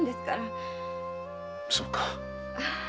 そうか。